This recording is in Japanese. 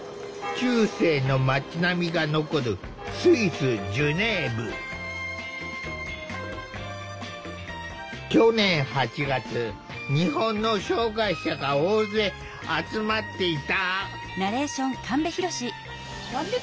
中世の町並みが残る去年８月日本の障害者が大勢集まっていた。